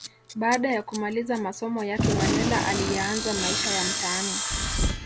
Baada ya kumaliza masomo yake Mandela aliyaanza maisha ya mtaani